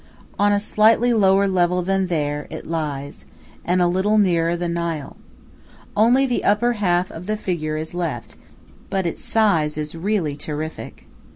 On a slightly lower level than there it lies, and a little nearer the Nile. Only the upper half of the figure is left, but its size is really terrific.